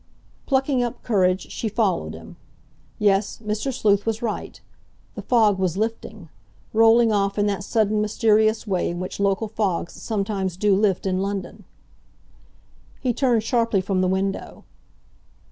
Plucking up courage, she followed him. Yes, Mr. Sleuth was right. The fog was lifting—rolling off in that sudden, mysterious way in which local fogs sometimes do lift in London. He turned sharply from the window.